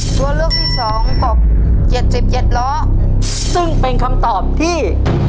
ตัวเลือกที่สองกบเจ็ดสิบเจ็ดล้อซึ่งเป็นคำตอบที่